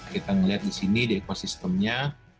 kita melihat di sini di ekosistemnya